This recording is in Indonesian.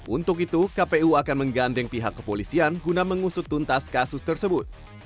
untuk itu kpu akan menggandeng pihak kepolisian guna mengusut tuntas kasus tersebut